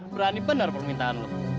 berani benar permintaan lo